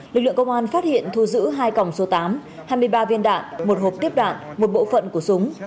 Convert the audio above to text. lực lượng công an phát hiện thu giữ hai còng số tám hai mươi ba viên đạn một hộp tiếp đạn một bộ phận của súng